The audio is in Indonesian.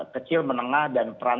kecil menengah dan peran